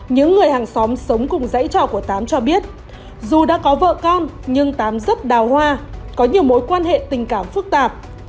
những người hàng xóm sống cùng dãy trò của tám cho biết dù đã có vợ con nhưng tám rất đào hoa có nhiều mối quan hệ tình cảm phức tạp